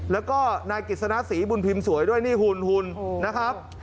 แล้วก็นายกฤษณะศรีบุญพิมพ์สวยด้วยนี่หุ่นนะครับ